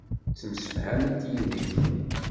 Ttemsefhament yid-k.